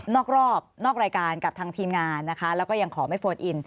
นอกรอบนอกรายการกับทางทีมงานนะคะแล้วก็ยังขอไม่โฟนอิน